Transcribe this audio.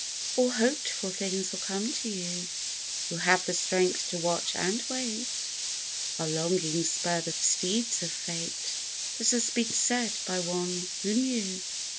ALL hoped for things will come to you Who have the strength to watch and wait, Our longings spur the steeds of Fate, — This has been said by one who knew.